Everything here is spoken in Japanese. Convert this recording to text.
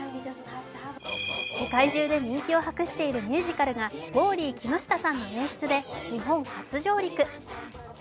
世界中で人気を博しているミュージカルが、ウォーリー木下さんの演出で日本初上陸。